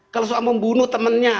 kalau soal membunuh temennya